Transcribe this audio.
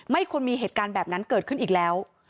ไม่ควรมีเหตุการณ์แบบนั้นเกิดขึ้นอีกแล้ว